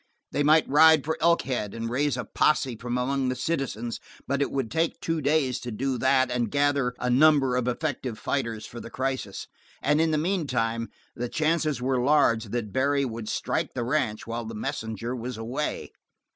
They might ride for Elkhead and raise a posse from among the citizens, but it would take two days to do that and gather a number of effective fighters for the crisis, and in the meantime the chances were large that Barry would strike the ranch while the messenger was away.